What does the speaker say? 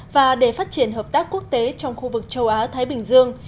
và để phát triển hợp tác quốc tế trong khu vực châu á thái bình dương